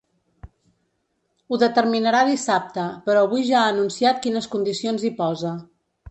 Ho determinarà dissabte, però avui ja ha anunciat quines condicions hi posa.